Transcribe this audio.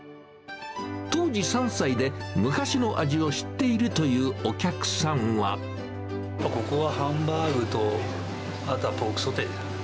当時３歳で、昔の味を知っているここはハンバーグと、あとはポークソテー。